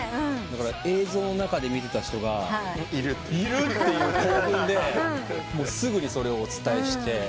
映像の中で見てた人がいるっていう興奮ですぐにそれをお伝えして。